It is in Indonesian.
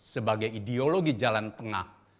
sebagai ideologi jalan tengah